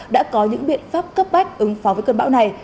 đã có những biện pháp cấp bách ứng phó với cơn bão này